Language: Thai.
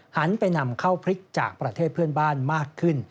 หันไปนำเข้าพริกจากประเทศเพื่อนบ้านมากขึ้น